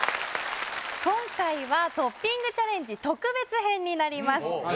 今回はトッピングチャレンジ特別編になります